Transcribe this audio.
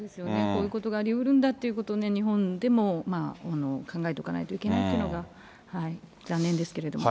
こういうことがありうるんだっていうことを日本でも考えておかないといけないっていうのが、残念ですけれども。